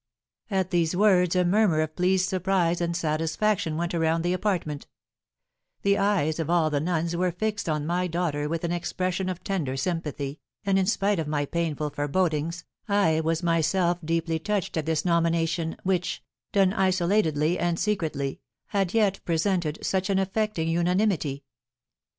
At these words a murmur of pleased surprise and satisfaction went around the apartment; the eyes of all the nuns were fixed on my daughter with an expression of tender sympathy, and, in spite of my painful forebodings, I was myself deeply touched at this nomination, which, done isolatedly and secretly, had yet presented such an affecting unanimity.